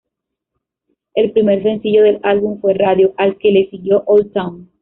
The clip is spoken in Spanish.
El primer sencillo del álbum fue "Radio", al que le siguió "Old Town".